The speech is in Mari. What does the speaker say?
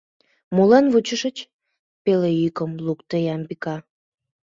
— Молан вучышыч? — пеле йӱкым лукто Ямбика.